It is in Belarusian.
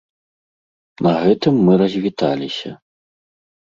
На гэтым мы развіталіся.